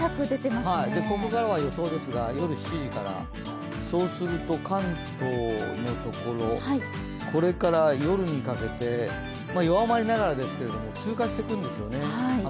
ここからは予想ですが、夜７時からそうすると関東のところこれから夜にかけて、弱まりながらですけれども、雨雲が通過していくんですよね。